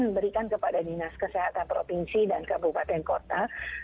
memberikan kepada dinas kesehatan provinsi dan kabupaten kota